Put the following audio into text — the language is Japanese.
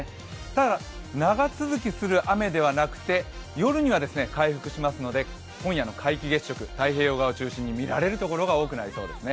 ただ、長続きする雨ではなくて夜には回復しますので今夜の皆既月食、太平洋側を中心に見られるところが多くなりそうです。